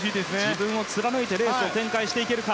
自分を貫いてレースを展開していけるか。